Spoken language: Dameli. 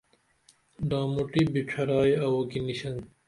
ڈاموٹی بیڇھرائی اووکی نیشن